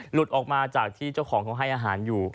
หลุดออกมาจากที่เจ้าของเขาให้อาหารอยู่